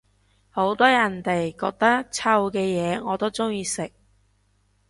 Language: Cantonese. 好多人哋覺得臭嘅嘢我都鍾意食